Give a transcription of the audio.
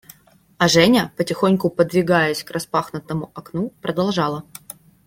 А Женя, потихоньку подвигаясь к распахнутому окну, продолжала.